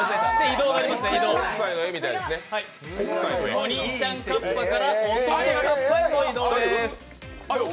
お兄ちゃんカッパから弟カッパへの移動です。